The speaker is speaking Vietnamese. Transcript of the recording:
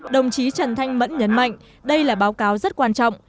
đồng chí trần thanh mẫn nhấn mạnh đây là báo cáo rất quan trọng